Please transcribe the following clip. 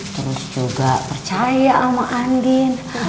terus juga percaya sama andin